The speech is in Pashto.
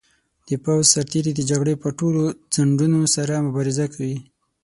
د پوځ سرتیري د جګړې پر ټولو ځنډونو سره مبارزه کوي.